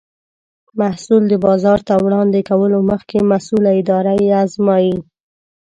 محصول د بازار ته وړاندې کولو مخکې مسؤله اداره یې ازمایي.